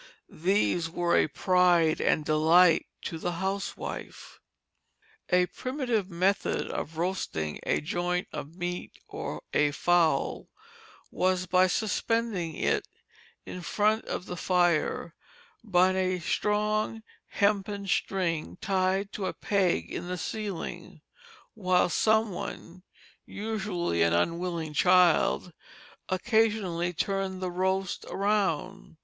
These were a pride and delight to the housewife. A primitive method of roasting a joint of meat or a fowl was by suspending it in front of the fire by a strong hempen string tied to a peg in the ceiling, while some one usually an unwilling child occasionally turned the roast around.